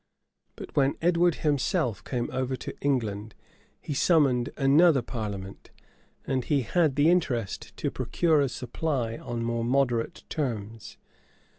But when Edward himself came over to England, he summoned another parliament, and he had the interest to procure a supply on more moderate terms.